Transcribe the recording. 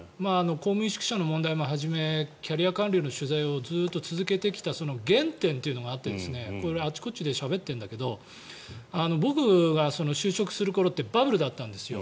公務員宿舎の問題もはじめキャリア官僚の取材をずっと続けてきたその原点というのがあってこれはあちこちでしゃべってるんだけど僕が就職する頃ってバブルだったんですよ。